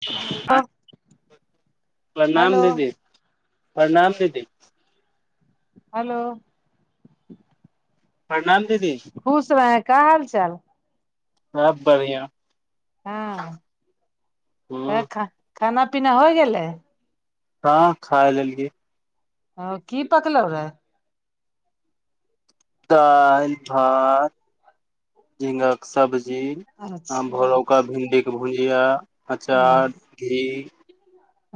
[unintelligible] Hello प्रणाम दीदी [inaudible] प्रणाम दीदी हेलो प्रणाम दीदी खुश रहैं का हाल चाल सब बढ़िआँ। हँ हँ [inaudible] ख खाना पीना होइ गेलै। हँ खा लेलियै ह की पकलौ रहे दाइल भात [inaudible] झिंगा कऽ सब्जी अच्छा आमभोरोका भिन्डीे भुजिया अचार घी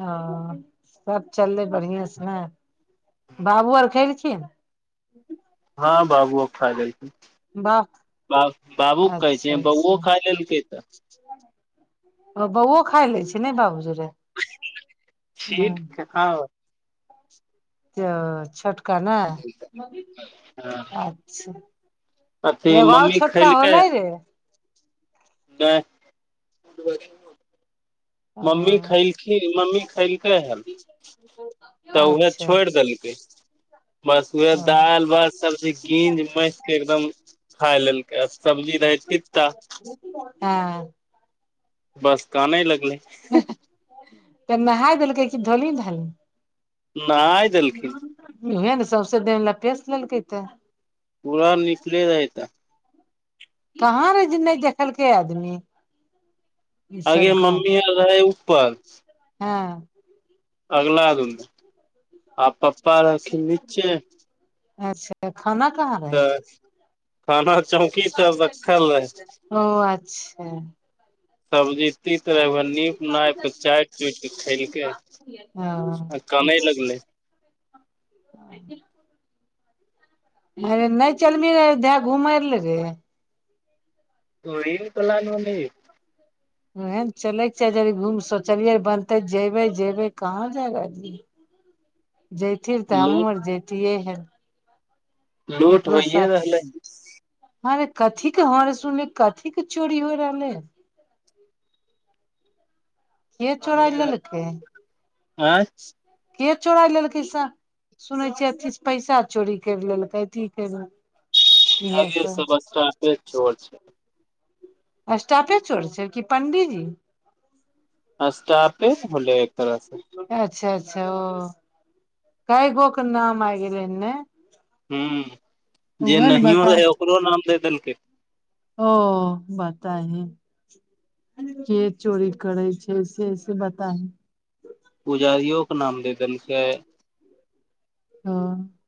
अह [inaudible] सब चललै बढ़िआ से नै बाबू अर खेल खिन हँ बाबुओ खा लेलखिन बाप [inaudible] बा बाबू कहै छै बौओ खा लेलकै तऽ [inaudible] अ बौओ खाय ले छै ने बाबूजरे [unintelligible] [inaudible] तऽ छोटका नै हाँ, अच्छ अथी [inaudible] एगो और मम्मी छोटका होलै रे नै [unintelligible] ओ मम्मी खैलखिन मम्मी खैलकै हन [unintelligible] तऽ उहे छोड़ देलकै बस उहे हँ दाइल भात सबचीज गिंज मैथ कऽ एकदम खा लेलकै आ सब्जी रहै तीता [unintelligible] बस कानै लगले तऽ नहाय देलकै धोली धाली नहाय देलखिन मुँहे में सौसे देह लतैस लेलकै तै पुरा निकलै रहै तऽ कहाँ रहे जे नै देखलकै आदमी ई आगइ सब गाय मम्मी अर रहै ऊपर हँ अगला रूम में नीचे [unintelligible] फेर खाना कहाँ रहै तऽ खाना चौकी सब रखल रहे [unintelligible] ओ अच्छा सब्जी तीत तरह नीप नाप कऽ चाटि चुट के खेलकै अ ओ कानै लगलै [inaudible] अे नहि चलबही रहे घुम ले रे [unintelligible] त ई कल म ने [unintelligible] ओएहे न चलैक चाह घुम शोचलियै र बनतै जेबे जेबे कहाँ जाय [unintelligible] [unintelligible] तऽ हमहूँ लूट आर जतिये हें लूट केकरो होइये साथ रहलै हे रे कथी के हरे सुन कथी के चोरी होय रहलै है के चोराय आगे लेलकै के चोराय लेलकै स सुनै छियै किछ पैसा चोरी करि लेलकै की कर आगे सब बसटापे चोर छै। स्टापे चोर छै की पंडीजी अस्टापे न भलै एक तरह से अच्छा अच्छा ओ कइगो के नाम आए गेलै हन ने हूँ जे उहे ने नहियो बता रहै ओकरो नाम दऽ देलकै ओ बाताही के चोरी करै छै से से बताही पुजारियो के नाम दे देलकैय हँ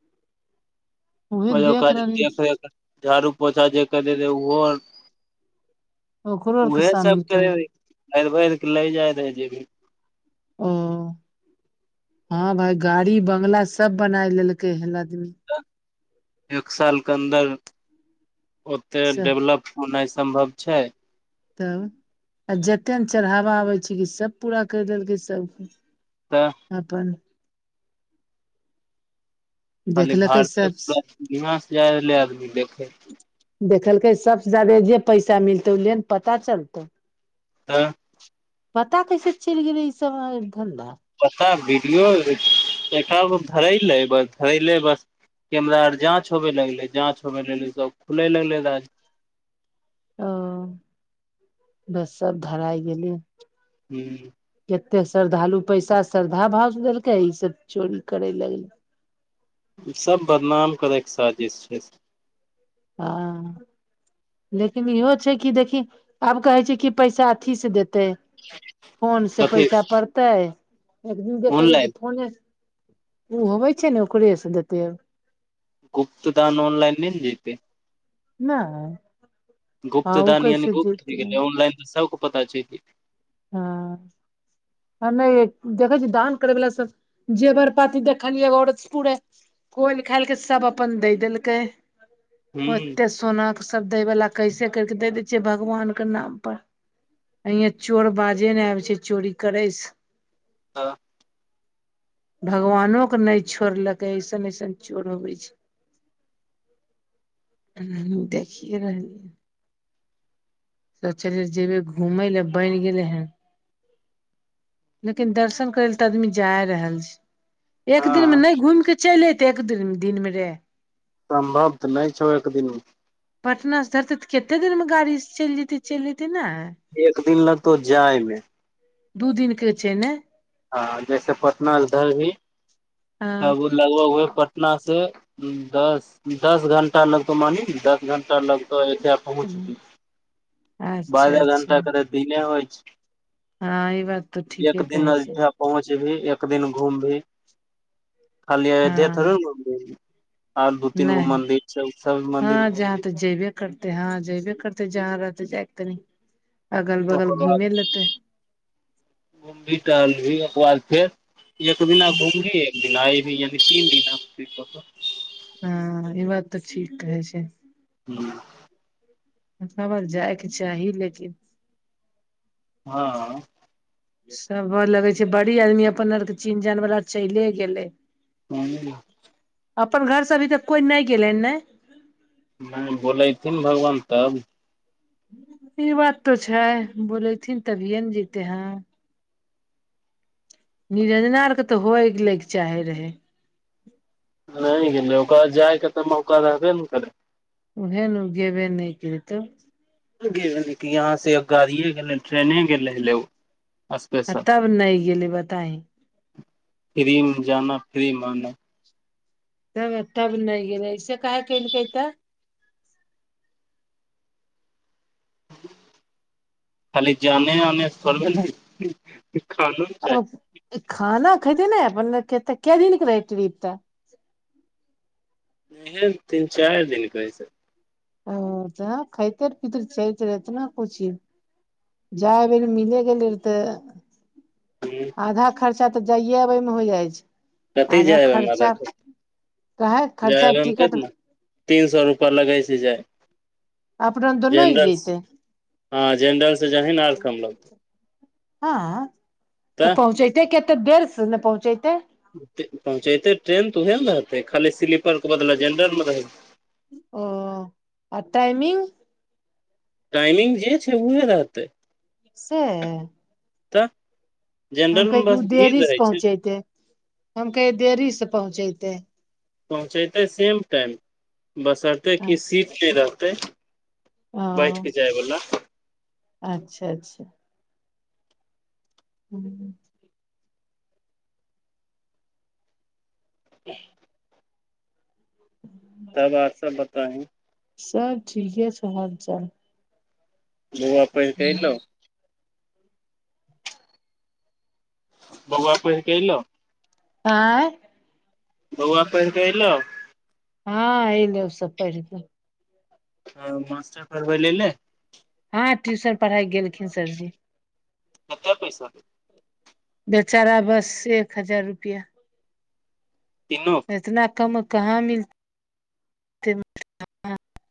ओक रहली देख रे झाड़ू पोछा जे करे रह ओहो ओकरो [unintelligible] आरके उहे शामिल सबके कर भैर भैर के लै जाय रहै जेबी मे ओ हँ भाय गाड़ी बंगला सब बनाय लेलकै हें लदमे त एक साल के अन्दर ओते सब डेवलप होनाय छै सम्भव छाय तब आ जते ने चढ़ावा आबै छै की सब पूरा करि देलकै सबके तऽ अपन खाली देखलकै भारतीय सबस [unintelligible] से जाय रहले आदमी देखे देखलकै सब से जादे जे पैसा मिलतै ओ ले न पता चलतौ तऽ पता कैसे चलि गेलै ई सभय धन्धा पता वीडियो एका गो धरैले बस धरैले बस कैमरा आर जाँच होवे लगलै जाँच होवे लगलै सब खुलै लगलै राज ओ बस सब धराय गेलीय हु एते श्रद्धालु पैसा श्रद्धा भाव से देलकाय ई सब चोरी करै लगलै इ सब बदनाम करै के सादिश छै हँ लेकिन इहो छै कि देखी आब कहै छै कि पैसा अथी स देतै फोन से कथी पैसा पड़ताय एक दिन देख करै ऑनलाइन कि फोने से उ होबै छै ने ओकरे से देतै ओ गुप्त दान ऑनलाइन नै जतै नाय गुप्त दान यानि गुप्त भ गेलै ऑनलाइन तऽ सबक पता चैल जतय ह ह नै देखै छी दान करै वला सब जेवर पाती देखलियै एगो औरत पूेरे खोयल खायल केँ सब अपन दैय देलकै [inaudible] ओते सोना केँ सब दै वाला कैसे करि कऽ दे देै छियै भगवान केँ नाम पर [inaudible] ये चोर बाजे नै आबै छै चोरी करै स ह [inaudible] भगवानो कऽ नै छोड़लकै ऐसन ऐसन चोर होबै छै हा देखिये रहलिय सोचलिय जेबे घूमय लऽ बन गेलै हन लेकिन दर्शन करै ल तऽ आदमी जाय रहल छै [inaudible] एक दिन हँ मे नै घूम कऽ चैल ऐतेय एक दुअ दिनमे रे सम्भव तऽ नै छौ एक दिन मे। पटना से धरतै तऽ कते देर मे गाड़ी से चैल जैतै चैल ऐतै नै एक दिन लगतौ जाय में दू दिन केँ छै ने आ जैसे पटना से धरभी [inaudible] हँ तब ओ लगबग ह पटना से दस दस घण्टा लगतौ मानही ना दस घण्टा लगतौ अयोध्या पहुँ बी अच्छा बारह घण्टा करे दीने होइ छै ह ई बात तऽ ठीके कहै छै पहुँच भी एक दिन घुम भी [inaudible] खाली हँ अयोध्या थोड़े न घुम भी। और दू तीन गो नहि मंन्दिर छै सब मंदिर घुम ली। करतै हँ जेयबे करतै जहाँ रहतय जयक तनी। अगल बगल तकर बाद घुमे लेते [unintelligible] [inaudible] घुम भी टहल भी ओकर बाद फेर। एक दिना घूमभी एक दिन आए भी यानि तीन दिना। हु ई बात तऽ ठीक कहै छै। [unintelligible] ऐकोबार जाइकेँ चाही लेकिन। हँ सब घर लगय छै बड़ी आदमी अपन आर केँ चिन्ह जान बला चैले गेलै। [unintelligible] अपन घर से अभी तक कोई नै गेलै नै नै बोलेथिन भगवान तब। ई बात तऽ छै बोलेथिन तभिए न जतै हैं। निरंजना आर केँ तऽ होइ लैके चाहे रहै। नै गेलै ओकरा बाद जाय केँ तऽ मौका रहबे न करै। भेन ओ गेबे नै केरतो गेलहन यहाँ से गाड़ि गेलहन ट्रेने गेल उ। आ तब नै गेलै बताही। [inaudible] फ्री मे जाना फ्रीमे आना। रो बाइह तब नै गेले ऐसे कहै केलके तऽ। [inaudible] खाली जाने आने थोबैर होइ अबप खाना खेते ने अपने त कायदिन कए रहय ट्रिप त। इहेन तीन चारि दिन कहै छै। ओ जाँ खेतेर पीतेर चलै जेतय इतना कुन चिज। [unintelligible] जाय बैर मिलै गेलै रहि तेऽ। छै आधा खर्चा तऽ जाइए अबैमे होय जाइ छै। कथी आधा जायअबै मे आधा खर्चा काहे खर्चा खर्चा जायअबै मे टिकट कतना तीन सो रूपा लगै छै। [unintelligible] जी जाय। अपना दोनो जेनरल सँ जैते हँ जेनरलसे जहीना आर कम लगतौ। हँ तऽ पहुँचैतै कते देर से ने पहुँचैतै। पहुँचेतै ट्रेन तऽ ओएह न रहतै खाली स्लीपरके बदला जेनरलमे रहै ओ आ टाइमिंग। टाइमिंग जे छै उहे रहतै। सेए तऽ हम जेनरल मे कहै तु बस ओ भीड़ देरी से रहे छै पहुँचेतै हम कहै देरी से पहुँचेतै। पहुँचैतै सेम टाइम बशर्ते कि अच्छा सीट नै रहतै। ओ बैठके जाए बला। अच्छा अच्छा हूँ [inaudible] ह [unintelligible] तब आर सब बताहीं। सब ठीके छ हाल चाल। बौआ पैढ क एलौ। बौआ पढ के ऐलौ आँय बौआ पैढ क एलौ हँ एलै उ सब पैढ़ के मास्टर पढ़बै लाय अयलै हँ ट्यूशन पढ़ाइ गेलखिन सरजी कत पैसा के बेचारा बस एक हजार रुपेआ तीनो इतना कम कहाँ मिल [unintelligible]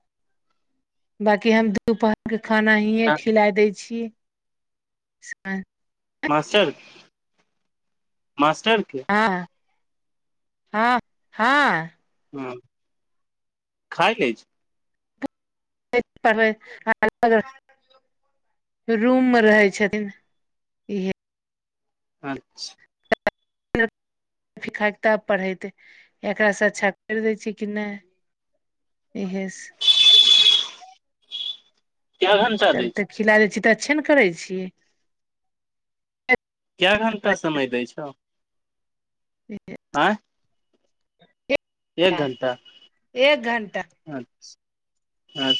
बाकी हम दुपहरके खाना हीयें खिलाए दै छी यै मास्टर मास्टर के हाँ हाँ हँ हूँ खाय लय छै [unintelligible] रूम मे रहै छथिन इहे अच्छा खाइके तब पढ़ेतै एकरासँ अच्छा करि दै छै कि नै [unintelligible] इहेस कै घंटा दै छै [unintelligible] खिलाय छियै तऽ अच्छे ने करै छियै कए घण्टा समय दै छौ [inaudible] आँय एक घण्टा एक घंटा आय आय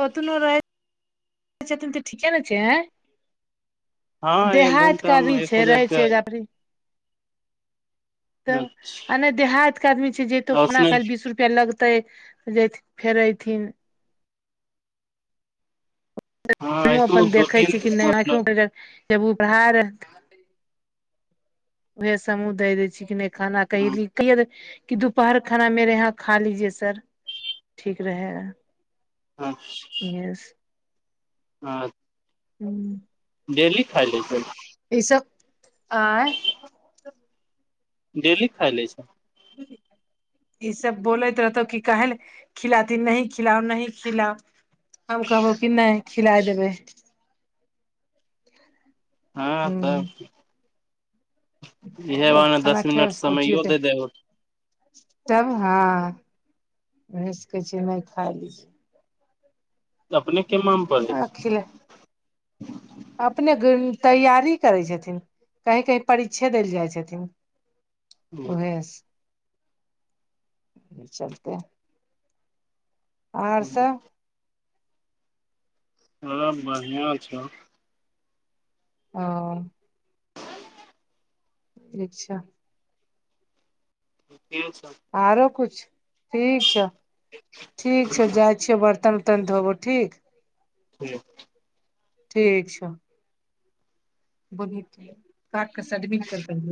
ओतनो रहै ठीके ने छै आंय एक देहाइत घंटा के मे भी एक छै हजार रहै के छै [unintelligible] त अच्छा आ नहि देहात के आदमी छै जइतौ उसने सुतै लग तै जेथिन फेर अयथिन हँ हमँ ऐसनो अपन दू देखै तीन छी नहि मतलब आईयौउपहार उएहे हमहु दय दै छी कि नहि खाना कहीं हँ [unintelligible] कि दुपहर खाना मेरे यहां खा लीजिए सर ठीक रहेगा हं से [inaudible] [inaudible] इहे से आज हम्म डेली खाइ लै छै ई सब आँय डेली खाइ ले छै [inaudible] [inaudible] ई सब बोलैत रहतौ कि काहे न खिलाती नहीं खिलाउ नहीं खिलाऊ हम कहबौ कि नहि खिलाय देबै हँ तब हूं इहे बहाना खाना दस मिनट खिलाबै से कोची समैयो होतै दैय हो तब हाँ भै सकय छै नहि खाय लय छै अपने केमा मे पड़ै हँ छै खिला अपने घुमि गैं तैयारी करै छथिन कहीं कहीं परिक्षे देल जाइ छथिन उरेस ई चलतय आओर सब हँ बढ़िआँ छ ओ ठीक छ गेल छ आरो किछ ठीक छौ ठीक छौ जाइ छीय बर्तन वर्तन उपरत्न बौधोब ठीक ठीक ठीक छ बोलहित काट कऽ सडमी ना कैर देलियौ